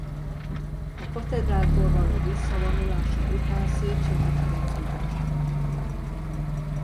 A katedrától való visszavonulása után Széchényi Ferenc udvarába került.